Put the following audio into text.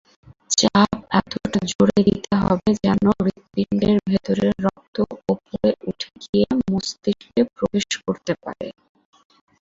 চাপ এতটা জোরে দিতে হবে যেন হৃৎপিণ্ডের ভেতরের রক্ত উপরে উঠে গিয়ে মস্তিষ্কে প্রবেশ করতে পারে।